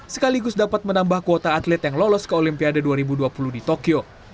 sekaligus dapat menambah kuota atlet yang lolos ke olimpiade dua ribu dua puluh di tokyo